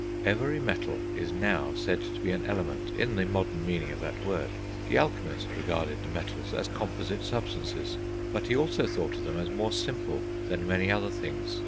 Every metal is now said to be an element, in the modern meaning of that word: the alchemist regarded the metals as composite substances; but he also thought of them as more simple than many other things.